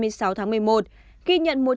khi nhận bệnh nhân tử vong